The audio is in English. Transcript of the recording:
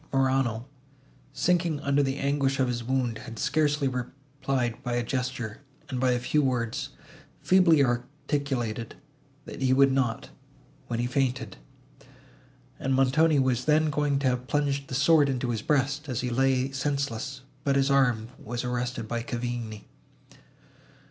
Morano, sinking under the anguish of his wound, had scarcely replied by a gesture, and by a few words, feebly articulated, that he would not—when he fainted; and Montoni was then going to have plunged the sword into his breast, as he lay senseless, but his arm was arrested by Cavigni.